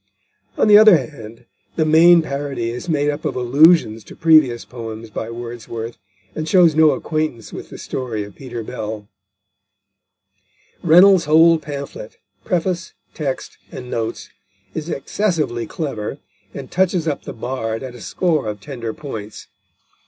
On the other hand, the main parody is made up of allusions to previous poems by Wordsworth, and shows no acquaintance with the story of Peter Bell. Reynolds's whole pamphlet preface, text, and notes is excessively clever, and touches up the bard at a score of tender points.